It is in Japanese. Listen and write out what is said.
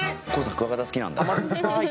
クワガタ好きなんだ。